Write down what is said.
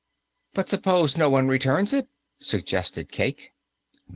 "But suppose no one returns it," suggested Cayke.